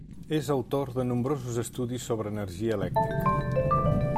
És autor de nombrosos estudis sobre energia elèctrica.